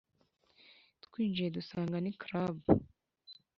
twinjiye dusanga ni 'club'”